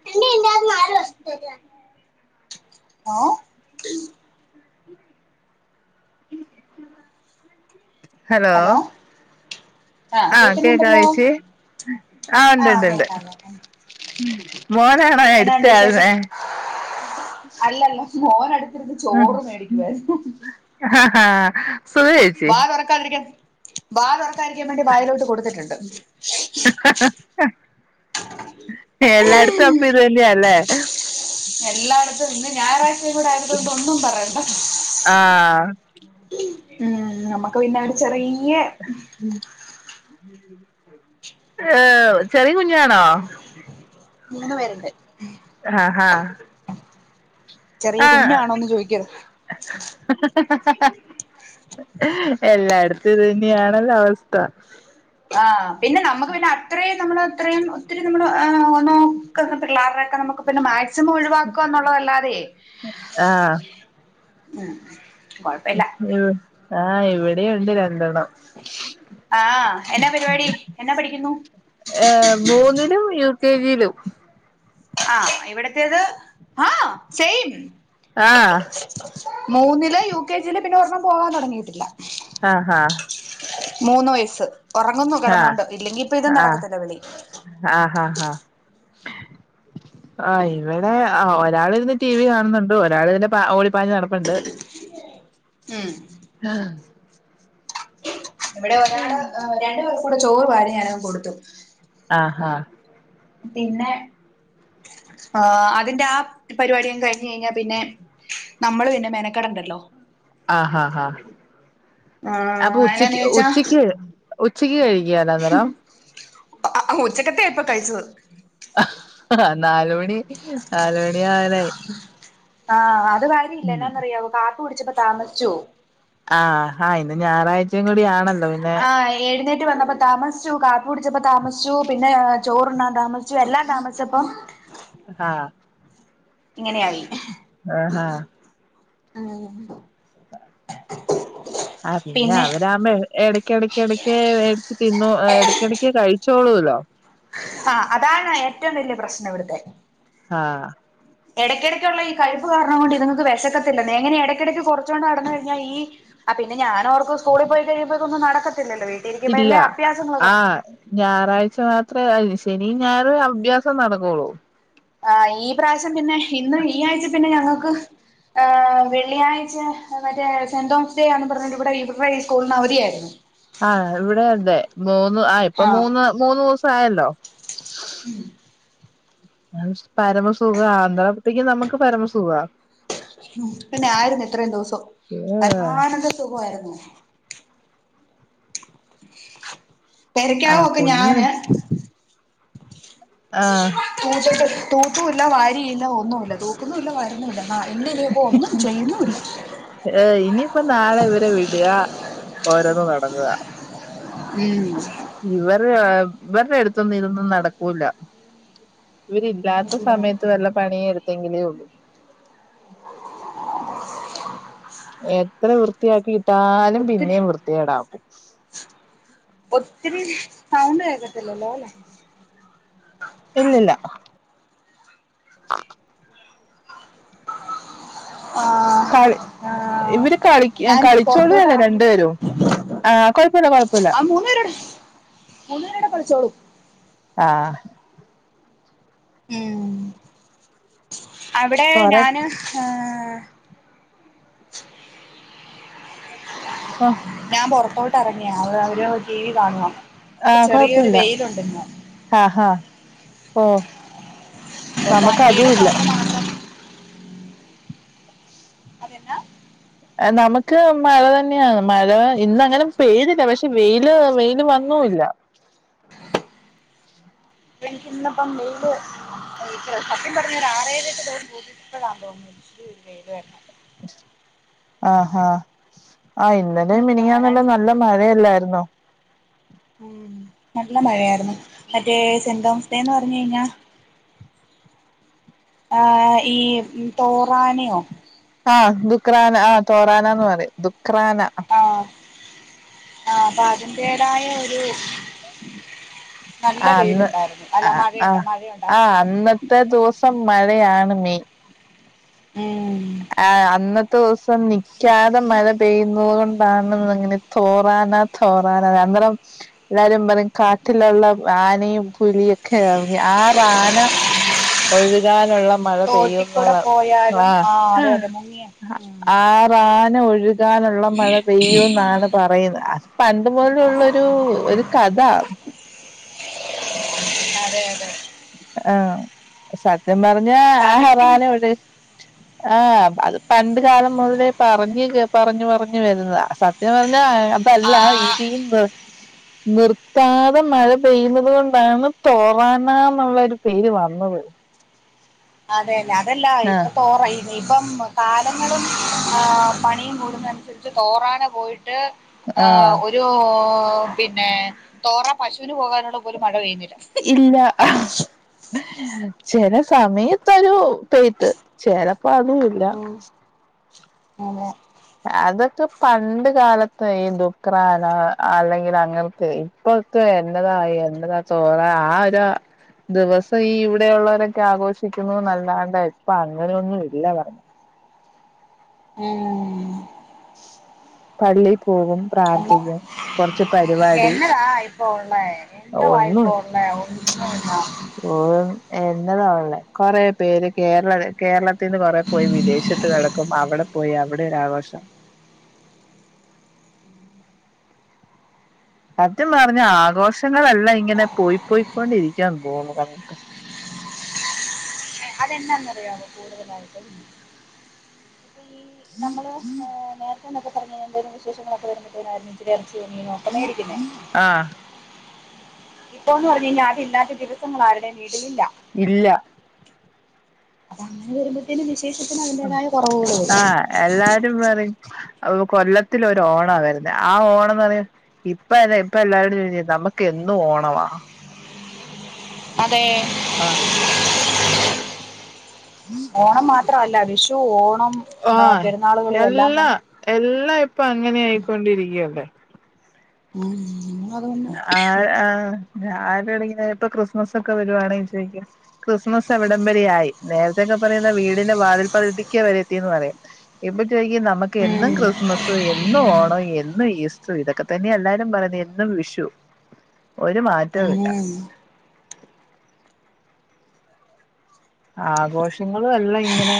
Law hello ആഹ് ആ കേക്കുന്നുണ്ടല്ലോ കേക്കാവേച്ചി ആ ആഹ് ഇണ്ട്ണ്ട്ണ്ട് കേക്കാം കേക്കാം ഉം മോനെവടെ എന്നാണ്ട് വിശേഷം അല്ലല്ല മോനടു [unintelligible] ചോറ്മേടിക്കുവായിരുന്നു ഹാ ഹാ ആഹ് വാ തുറക്കാതിരിക്കാൻ വാ തുറക്കാതിരിക്കാൻ വേണ്ടി വായിലോട്ട് കൊടുത്തിട്ടുണ്ട് എല്ലായിടത്തും അപ്പ ഇതു തന്നെയാ അല്ലെ എല്ലായിടത്തും ഇന്ന് ഞായറാഴ്ചയും കൂടെ ആയത് കൊണ്ട് ഒന്നും പറയണ്ട ആഹ് ഉം നമ്മുക്ക് പിന്നെഒരു ചെറിയെ ഉം ചെറിയ കുഞ്ഞാണോ. മൂന്ന് പേര്ണ്ട്. ആഹ് ആഹ് ചെറിയ കുഞ്ഞാണോന്ന് ചോയ്കര് ഹ് ഹ് ഹ് ഹ് ഹ എല്ലായിടത്തും ഇതുന്നെയാണല്ലോ അവസ്ഥ. ആഹ് പിന്നെ നമുക്ക് പിന്നെ അത്രയും നമ്മള് അത്രയും ഒത്തിരി നമ്മള് ഒന്നൊക്കെ പിള്ളാര്ടെ നമുക്ക് പിന്നെ മാക്സിമം ഒഴിവാക്കുകന്നുള്ളതല്ലാതെ ആഹ് ഉം കൊഴപ്പവില്ല ആഹ് ഇവിടെയുണ്ട് രണ്ടെണ്ണം.. ആഹ് എന്നാ പരിപാടി എന്നാ പഠിക്കുന്നു ഏഹ് മൂന്നിലും യു കെ ജിയിലും ആഹ് ഇവിടുത്തേത് ആഹ് സെയിം ആഹ് മൂന്നില് യു കെ ജിയില് പിന്നെ ഒരെണ്ണം പോവാൻ തുടങ്ങിയിട്ടില്ല. ആഹ് ഹാ മൂന്ന് വയസ്സ് ഉറങ്ങുന്നു കിടന്നോണ്ട് ഇല്ലെങ്കി ഇപ്പൊ ഇതും ആഹ് നടക്കത്തില്ല വിളി ആഹ് ആഹ് ആഹ് ആഹ് ഇവിടെ ഒരാളിരുന്ന് ടി വി കാണുന്നുണ്ട് ഒരാൾ ഇതിലെ പ ഓടിപ്പാഞ്ഞ് നടപ്പുണ്ട്. മ്മ് ഇവിടെ ഒരാള് രണ്ടു പേർക്കൂടെ ചോറ് വാരി ഞാനങ്ങ് കൊടുത്തു. ആഹാ പിന്നെ ആഹ് അതിന്റെ ആ പരിപാടി അങ്ങ് കഴിഞ്ഞ്കഴിഞ്ഞാ പിന്നെ നമ്മള് പിന്നെ മെനക്കെടണ്ടല്ലോ ആഹാഹാ അപ്പൊ ആഹ് എന്നാന്ന് ഉച്ചക്ക് ചോയിച്ചാ ഉച്ചയ്ക്ക്.. ഉച്ചയ്ക്ക് കഴികേല അന്നരം ആ അ ഉച്ചക്കത്തെയ ഇപ്പോകഴിച്ചത് നാലുമണി നാലുമണി ആവാനായി ആഹ് അത് കാര്യവില്ല ഉം എന്നാന്നറിയാവോ കാപ്പികുടിച്ചപ്പോ താമസിച്ചുപോവും ആഹ് ഹാ ഇന്ന് ഞായറാഴ്ചയും കൂടി ആണല്ലോ പിന്നെ ആഹ് എഴുന്നേറ്റ് വന്നപ്പോ താമസിച്ചു കാപ്പി കുടിച്ചപ്പോ താമസിച്ചു പിന്നെ ചോറുണ്ണാൻതാമസി ച്ചു എല്ലാം താമസിച്ചപ്പം ഹാ ഇങ്ങനെയായി ആഹ് ഹാ ആഹ് ആ പിന്നെ അവരാമ്പോ എ ഏട ക്കിടയ്ക്ക്ക്കിടയ്ക്ക് മേടിച്ച് തിന്നു ഇടക്കിടയ്ക്ക് കഴിച്ചോളൊല്ലോ. ആ അതാണ് ഏറ്റവും വലിയ പ്രശ്നം വിടുത്തെ. ആഹ് ഇടയ്ക്കിടക്കുള്ള ഈ കഴിപ്പ് കാരണം കൊണ്ട് ഇതിങ്ങക്ക് വിശക്കത്തില്ലെന്ന് എങ്ങനെ ഇടക്കിടക്ക് കൊറിച്ചോണ്ട് നടന്ന് കഴിഞ്ഞാൽ ഈ ആ പിന്നെ ഞാൻഓർക്കുവ സ്കൂളിൽ പോയി കഴിയുമ്പോഇതൊന്നും നടക്കത്തില്ലല്ലോ ഇല്ല വീട്ടിലിരിക്കുമ്പോഴല്ലേ അഭ്യാസങ്ങളൊക്കെ ആഹ് ഞാറാഴ്ച മാത്ര ശനിം ഞായറും അഭ്യാസം നടക്കൊള്ളൂ. ആ ഈ പ്രാവശ്യം പിന്നെ ഇന്ന് ഈ ആയ്ച പിന്നെ ഞങ്ങക്ക് ആ വെള്ളിയാഴ്ച മറ്റേ സെന്റ് തോമസ് ഡേ ആന്ന് പർഞ്ഞ്ട്ട് ഇവിടെ [unintelligible] സ്കൂളിന് അവധിയായിര്ന്ന്. ആഹ് ഇവിടെഎന്നെ മൂന്ന് ആ ഇപ്പം ആഹ് മൂന്ന് മൂന്ന് ദിവസായല്ലോ. പരമസുഖാ [unintelligible] നമക്ക് പരമസുഖാ ഉം പിന്നെ ആയിരുന്നു ഇത്രയും ദിവസം പരമാനന്ദ സുഖയിരുന്നു ആഹ് പെരക്കകമൊക്കെ കുഞ്ഞു ഞാന് ആഹ് തൂത്ട്ട് തൂതുല്ല വാരീല്ല ഒന്നുല്ല തൂക്കുന്നുല്ല വാരുന്നുല്ല. ആ [unintelligible] ഒന്നും ചെയ്യുന്നൂല്ല. ഏഹ് ഇനിയിപ്പം നാളെ ഇവരെ വിട്ക ഓരോന്ന് നടങ്ങ ഉം. ഇവര് ഇവരുടെ അടുത്തൊന്നും ഇതൊന്നും നടക്കൂല ഇവരില്ലാത്ത സമയത്ത് വല്ല പണിയെടുത്തെങ്കിലേ ഉള്ളൂ എത്ര വൃത്തിയാക്കിട്ടാലും ഒത്തിരി പിന്നെയും വൃത്തികേടാക്കും ഒത്തിരി സൗണ്ട് കേക്കത്തില്ലല്ലോ അല്ലെ ഇല്ലില്ല [inaudible] ആഹ് കളി ആഹ് ഇവര് കളിക ഞാൻ പുറത്തോട്ട് കളിച്ചോളുലെ ഇറങ്ങി രണ്ടു പേരും ആഹ് കുഴപ്പുല്ല കുഴപ്പുല്ല ആ മൂന്നെരുടെ മൂന്ന്പേരൂടെ കളിച്ചോളും ആഹ് ഉം അവിടെ കൊറെ ഞാന് ആഹ് ഞാൻ പൊറത്തോട്ട് ഇറങ്ങിയാ അവ അവര് ടിവി കാണുവ ആഹ് കൊയ്പ്പല്ല ആഹ് ആഹ് ഓ നമുക്ക് അതും വണ്ടിയുടെ ഇല്ല സൗണ്ട് മാത്രം അതെന്നാ? ഏ നമക്ക് മഴ തന്നെയാ മഴ ഇന്നങ്ങനെ പെയ്തില്ല പക്ഷെ വെയില് വെയില് വന്നൂല്ല. എനക്കിന്ന്പ്പം [unintelligible] ഇപ്പൊ സത്യം പറഞ്ഞ ഒരാറേഴ് എട്ട് ദിവസം കൂടിയപ്പോളാ തോന്നുന്നു ഇച്ചിരി ഒരു വെയില് വരുന്നേ ആഹ് ഹ ആഹ് ഇന്നലെ ഇന്നിപ്പോ മിനിയാന്നെല്ല ആരാണ്ട് നല്ല മഴയല്ലായിരുന്നോ ഉം നല്ല മഴയായിരുന്നു മറ്റേ സെന്റ് തോമസ് ഡേന്ന് പർഞ്ഞ് കയ്ഞ്ഞാ ആഹ് ഈ തോറാനിയോ ആഹ് ദുഗ്രാരാന ആ തോറാനാന്ന് പറിം ദുഗ്രാന. ആഹ് ആഹ് അത അദിന്റേതായ ഒരു നല്ല വെയിലുണ്ടായിരുന്നു അല്ല മഴയുണ്ട മഴയുണ്ടായിരു അന്ന ത ദിവസം മഴയാണ് മെയിൻ ഉം ആഹ് അന്നത്തെ ദിവസം നിക്കാതെ മഴ പെയ്യുന്നതു കൊണ്ടാണെന്ന് അങ്ങനെ തോറാനാ തോറാന അന്നേരം എല്ലാരും പറയും കാട്ടിലുള്ള ആനയും പുലിയൊക്കെ ഇറങ്ങി ആരാണ് ഒഴുകാനുള്ള മഴ തോട്ടിക്കൂടെ പെയ്യുന്നവർ ആ പോയാലും ആഹ് അതെ അതെ മുങ്ങിയ ഉം ആറാന ഒഴുകാനുള്ള മഴ പെയ്യും എന്നാണ് പറയുന്ന അത് പണ്ട് മുതലുള്ളൊരു ഒരു കഥ അതെ അതെ ആഹ് സത്യം പർഞ്ഞ കഥയ്ക്കും [unintelligible] ആ അത് പണ്ട്കാലം മുതലേ പറഞ് കെ പറഞ്ഞു പറഞ്ഞു വരുന്നതാ സത്യം പറഞ്ഞ [inaudible] അല്ല ആ ഇതീന്ന് [inaudible] നിർത്താതെ മഴ പെയ്യുന്നത് കൊണ്ടാണ് തോറാനാ ന്നൊള്ളൊരു പേര് വന്നത് അതെ നെ അതല്ലാ ആഹ് ഇപ്പൊ തോറ [inaudible] ഇപ്പം കാലങ്ങളും ഏഹ് പണിയും കൂടുന്നനുസരിച്ച് തോറാന പോയിട്ട് ട്ട് ഏ.. ആഹ് ഒരൂ പിന്നെ തോറ പശുന് പോകോനുള്ള ഇല്ല ആഹ് ചെല സമയത്തൊരു പെയ്ത്ത് ചെലപ്പോ അതൂല്ല. അതെ അതൊക്കെ പണ്ട് കാലത്ത് ഈ ദുക്രാന അല്ലെങ്കിലങ്ങനത്തെ ഇപ്പൊ ഇപ്പന്നതായി എന്നതാ തോറാന ആ ഒരു ദിവസോം ഈ ഇവിടെയുള്ളവരൊക്കെ ആഘോഷിക്കുന്നു നല്ലാണ്ട് ഇപ്പ അങ്ങനെയൊന്നും ഇല്ല പറഞ് ഉം പള്ളീ പോകും പ്രാർത്ഥിക്കും കൊറച്ച് പരു എന്നതായിപ്പൊ ഒള്ളെ എന്തുവായിപ്പോ ഉള്ളെ ഒന്നൂല്ല. ഓം എന്നതാ കൊറേ പേര് കേരള കേരളത്തിന്ന് കൊറേ പോയി വിദേശത്ത് കെടക്കും അവ്ടെ പോയി അവിടെരാഘോഷം സത്യം പറഞ്ഞ ആഘോഷങ്ങളെല്ലാ ഇങ്ങനെ പോയി പോയിക്കൊണ്ടിരിക്കാൻ പോകുന്നു കണ്ട്ട്ട് അതെന്നാന്നറിയാവോ കൂടുതലായിട്ടും ഈ നമ്മൾ നേരത്തെന്നൊക്കെ പറഞ്ഞഴിഞ്ഞാ എന്തേലും വിശേഷങ്ങളൊക്കെ വരുമ്പോത്തേനായിരുന്നു ഇത്തിരി ഇറച്ചിയോ, മീനോ ഒക്കെ മേടിക്കുന്നേ ആഹ ഇപ്പൊന്ന് പറഞ്ഞ് കഴിഞ്ഞാ അതില്ലാത്ത ദിവസങ്ങള് ആര്ടേം വീടിലില്ല ഇല്ല അതങ്ങനെ വരുമ്പോത്തേന് വിശേഷത്തിന് അതിന്റേതായ കൊറവുകള് വെരും പറീം കൊല്ലത്തിലൊരോണാ വെരുന്നെ ആ ഓണന്ന് പറയുമ്പോ ഇപ്പതാ ഇപ്പ എല്ലാരോടും ചോയ്ച്ച നമ്മ്ക്ക് എന്നും ഓണവാ അതെ... ആഹ് ഓണം മാത്രവല്ല വിഷു ഓണംനോ പെരുന്നാളുകളു എല്ലാം തന്നെ എല്ലായിപ്പൊ അങ്ങനെ ആയിക്കൊണ്ടിരിക്കയിവിടെ ഉം അതുകൊണ്ട് ആയ് ആ ആരോടെങ്കി ഇപ്പൊ ക്രിസ്മസൊക്കെ വരുവാണെങ്കി ചോയ്ക്കും ക്രിസ്മസ് എവിടംവരെയായി നേരത്തെൊക്കെ പറയുന്ന വീടിന്റെ വാതിൽ പകുതിക്കെ വരെയെത്തീന്ന് പറയും. ഇപ്പം ചോയ്ക്കും നമ്മക്കെന്നും ഉം ക്രിസ്മസും എന്നും ഓണോം എന്നും ഈസ് ഇതൊക്കെ തന്നെ എല്ലാരും പറയുന്നെ എന്നും വിഷു ഒരു മാറ്റോം ഇല്ല ഉം ആഘോഷങ്ങളുഎല്ലാം ഇങ്ങനെ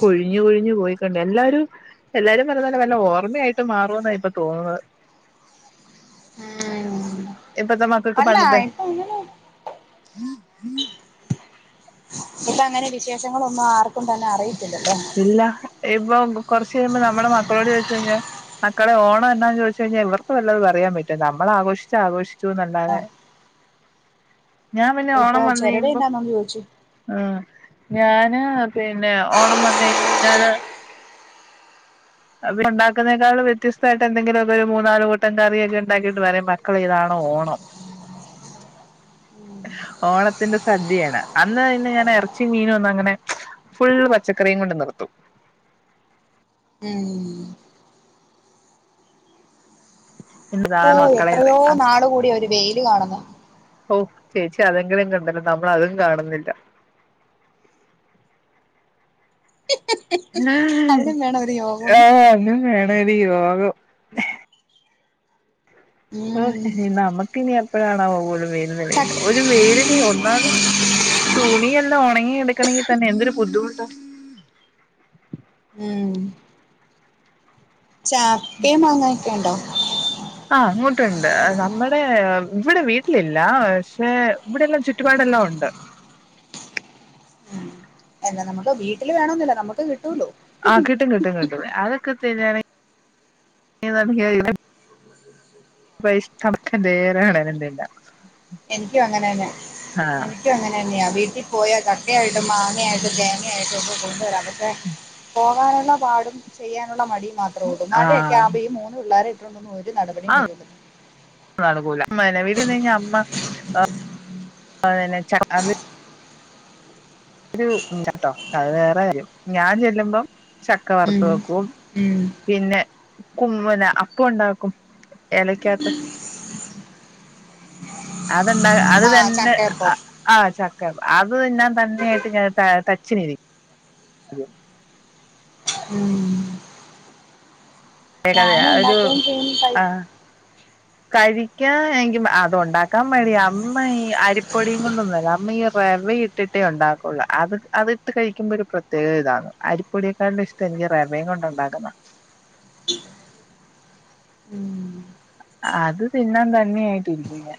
കൊഴിഞ്ഞു കൊഴിഞ്ഞു പോയിക്കൊണ്ട് എല്ലാരും എല്ലാരും പറയുന്നലെ വല്ല ഓർമ്മയായിട്ട് മാറോന്നാ ഇപ്പ തോന്നുന്നത് ഇപ്പൊത്തെ മക്കക്ക് അല്ല പണ്ടത്തെ ഇപ്പൊ അങ്ങനെ ഉം ഉം ഇപ്പങ്ങനെ വിശേഷങ്ങളൊന്നും ആർക്കും തന്നെ അറിയത്തില്ലട്ടോ ഇല്ല ഇപ്പൊ കൊറച്ച് കഴിയുമ്പോ നമ്മടെ മക്കളോട് ചോയ്ച് കഴിഞ്ഞാ മക്കളെ ഓണം എന്നാന്ന് ചോയ്ച്ച് കഴിഞ്ഞാ ഇവർക്ക് വല്ലതും അറിയാം പറ്റോ നമ്മള് ആഘോഷിച്ചാ ആഘോഷിച്ചുന്നല്ലാതെ. ആഹ് ഞാം പിന്നെ ഇപ്പൊ ഓണം വന്ന് ചിലര് കഴിയുമ്പോ എന്നാന്നൊന്ന് ചോദിച്ചു ആഹ് ഞാന് പിന്നെ ഓണം വന്ന് കഴിഞഴിഞ്ഞാല് ഇവിടെണ്ടുക്ന്നേക്കാളും വ്യത്യസ്തായിട്ട് എന്തെങ്കിലൊക്കൊരു മൂന്നാല് കൂട്ടം കറിയൊക്കെ ഒണ്ടാക്കീട്ട് പറിയും ക്കളെ ഇതാണു ഓണം ഉം ഓണത്തിന്റെ സദ്യയാണ് അന്ന് പിന്നെ ഞാന് ഇറച്ചി മീനൊന്നങ്ങനെ ഫുള്ള് പച്ചക്കറിയും കൊണ്ട് നിർത്തും. ഉം. ഇന്നതാണ് ഓഹ് മക്കളെന്ന് എത്രയോ പറയും നാള് കൂടി ഒരു വെയില് കാണുന്നെ ഹൊ ചേച്ചി അതെങ്കിലും കണ്ടല്ലൊ നമ്മളതും കാണുന്നില്ല. അതിനും വേണം ഒരു ഏഹ് യോഗംന്ന് ആഹ് അയിനും വേണടി യോഗം. ഹോ ഉം നമ്മുക്കിനി എപ്പഴാണാവോ ഒര് വെയില്ന് വെയ് ഒര് വെയിലിന് ഒന്നാംത് തുണിയെല്ലാം ഉണങ്ങിെടുക്കണെങ്കി തന്നെ എന്തൊരു ബുദ്ധിമുട്ടോ. ഉം. ചക്കിം മാങ്ങക്കെണ്ടോ ആഹ് അങ്ങോട്ട്ണ്ട് നമ്മടെ ഇവിടെ വീട്ടിലില്ല ക്ഷെ ഇവിടെല്ലാം ചുറ്റുപാടെല്ലാം ഉണ്ട്. എന്ന നമുക്ക് വീട്ടില് വേണോന്നില്ല നമുക്ക് കിട്ടൂല്ലോ ആഹ് കിട്ടും കിട്ടും കിട്ടും അതൊക്കെ തിന്നാന് [unintelligible] ഇപ്പ ഇഷ്ടൺക്കിൻ [unintelligible] എനിക്കും അങ്ങനന്നെ ക്കും അങ്ങനെ തന്നെയാ വീട്ടിപോയാ ചക്കയായിട്ടും മാങ്ങയായിട്ടും തേങ്ങയായിട്ടും ഒക്കെ കൊണ്ടുവരാം. പോകാനുള്ള പാടും ചെയ്യാനുള്ള മടിയും മാത്രേ ഉള്ളൂ മഴയൊക്കെ ആഹ് ആവുമ്പോ. പുള്ളാരെയിട്ടൊന്നും ഒരു നടപടിയും വരുല ന്നട്ക്കൂല മാനവിധിന്ന് ഞമ്മ ആഹ് അതന്നെ ച അത് ഒരു മുൻചാട്ടോ അത് വേറെ കാര്യം ഞാൻ ചെല്ലുമ്പം ചക്ക വറ്ത്ത് ഉം വെക്കും ഉം. പിന്നെ കും പിന്നെ അപ്പം ഉണ്ടാക്കും എലക്കഹ്ത്ത് അതെന്താ അത് ആഹ് തന്നെ ചക്കയപ്പം അഹ്‌ ആ ചക്ക അത് തിന്നതന്നെയായിട്ട് തച്ചിനിരി ക്കും ഉം ക്കേക്കാതയാ ഞാനും ഒരു ഉണ്ടാക്കുകയും ചെയ്യും കഴി ആഹ് കഴിക്കാൻ എന്ക്കി അതോണ്ടാക്കാൻ മടിയാ അമ്മ ഇ അരിപൊടി കൊണ്ടന്നല്ല അമ്മ ഈ റവിം ട്ടിട്ടേ ഉണ്ടാകൊള്ളു അത് അത്ട്ട് കഴിക്കുമ്പൊരു പ്രത്യേക ഇതാണ് അരിപ്പൊടിയെക്കാളും ഇഷ് ക്ക്ഞ്ഞ് റവയും കൊണ്ട് ഉണ്ടാക്കണം ഉം അത് തിന്നാൻ തന്നെയായിട്ടിരിക്കുലെ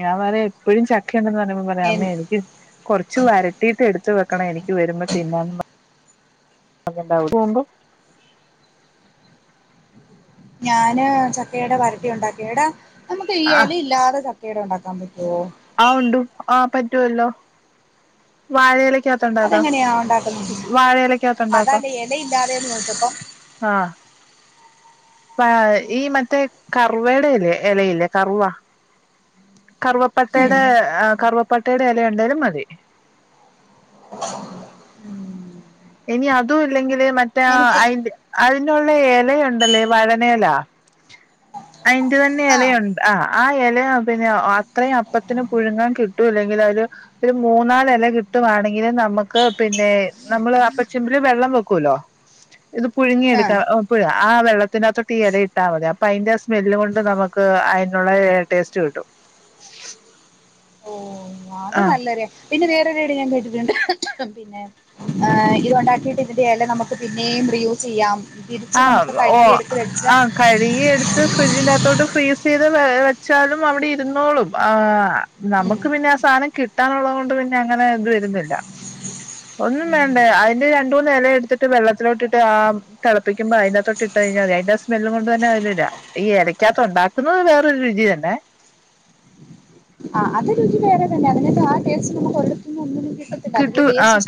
ഞാപറി എപ്പഴും ചക്കണ്ടെന്ന് പറയു പറയാ എൻ അമ്മേ എനിക്ക് കൊറച്ച് വരട്ടീട്ട് എടുത്ത് വെക്കണെ എനിക്ക് വരുമ്പ തിന്നാന് അതിണ്ടാവും പോവ്മ്പോ ഞാന് ചക്കയുടെ വരട്ടി ഉണ്ടാക്കി എടാ നമുക്ക് ഈ ആ ഇല ഇല്ലാതെ. ചക്കയട ഉണ്ടാക്കാൻ പറ്റോ ആഹ് ഉണ്ടും ആഹ് പറ്റുവല്ലോ വാഴയിലക്ക ത്ത്ണ്ടാക്ക അതെങ്ങനെയാ ഉണ്ടാക്കുന്നത് വാഴയിലക്കകത്ത്ണ്ടാക്ക. അതല്ല ഇലയില്ലാതെന്ന് ചോദിച്ചപ്പം ആഹ് പ്പ യാ ഈ മറ്റേ കർവെട ഇല്ലേ എലയില്ലേ കറുവ ഉം കറുവപ്പട്ടയുടെ കറുവപ്പട്ടയുടെ ഇല ഉണ്ടേലും മതി. ഇനി അതു ഇല്ലെങ്കില് മറ്റ ആ എനിക്ക് അയിന്റെ അയിനുള്ള ഇലയുണ്ടല്ലേ വഴനയെല അയിന്റെ തന്നെ ആഹ് ഇലയു ആഹ് ആ എലേ പിന്നെ അത്രയും അപ്പത്തിന് പുഴുങ്ങാൻ കിട്ടൂല്ലെങ്കിൽ അയ്ല് ഒരു മൂന്നാല് എല കിട്ടുവാണെങ്കില് നമുക്ക് പിന്നെ നമ്മള് പ്പെ ചെമ്പില് വെള്ളം വെക്കൂല്ലോ ഇത് പുഴുങ്ങിയെടുക്കാ ആഹ് പ്പ് ആ വെള്ളത്തിനകത്തൊട്ട് ഈ ഇല ഇട്ടാമതി അപ്പൊ അതിന്റെ സ്മെല്ലോണ്ട് നമുക്ക് അയിനുള്ള ടേസ്റ്റ് കിട്ടും. ഓ അത് ആ നല്ലൊരു പിന്നെ വേറെൊരുട് ഞാൻ കേട്ടിട്ടുണ്ട് പിന്നെ ഹ് ഇത് ഉണ്ടാക്കിയിട്ട് ഇതിന്റെ എല നമുക്ക് പിന്നെയും റിയൂസ്യ്യാം. ആഹ് ഓഹ് ആ കഴുകി എട് ഫ്രിഡ്ജിന്റെ ആത്തോട്ട് ഫ്രീസ് ചെയ്ത് വെച്ചാലും അവിടെ ഇരുന്നോളും ആ ഉം നമുക്ക് പിന്നെ ആ സാനം കിട്ടാനുള്ളതോണ്ട് പിന്നെ അങ്ങനെ ഇത് വരുന്നില്ല. ഒന്നും വേണ്ടേ അതിന്റെ രണ്ട് മൂന്ന് എല എടുത്തിട്ട് വെള്ളത്തിലോട്ടിട്ട് ആ തെളപ്പിക്ക്മ്പോ അയിനകത്തോട്ടിട്ടയ്ഞാൽ അയിന്റെ സ്മെൽ കൊണ്ട് തന്നെ അയിന്ടാ ഈ എലയ്ക്കകത്തുണ്ടാക്കുന്നത് വേറൊരു രുചി തന്നെ ആ അത് രുചി വേറെ തന്നെ അതിനട്ട് ആ ടേസ്റ്റ് നമുക്ക് ഒരിടത്ത്ന്ന് ഒന്നും കിട്ടത്തില്ല അതിന്റെ കിട്ടു ആ ടേസ്റ്റ് ഇഷ്ടം